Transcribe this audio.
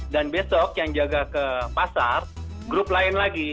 dan besok yang jaga ke pasar grup lain lagi